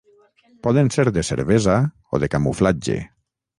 Poden ser de cervesa o de camuflatge.